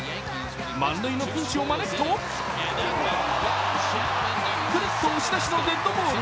満塁のピンチを招くとクルッと押し出しのデッドボール。